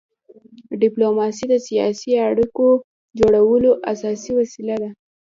ډيپلوماسي د سیاسي اړیکو جوړولو اساسي وسیله ده.